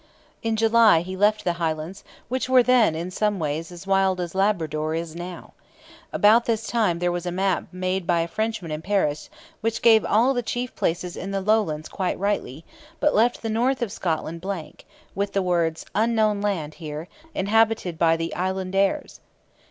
In July he left the Highlands, which were then, in some ways, as wild as Labrador is now. About this time there was a map made by a Frenchman in Paris which gave all the chief places in the Lowlands quite rightly, but left the north of Scotland blank, with the words 'Unknown land here, inhabited by the "Iglandaires"!'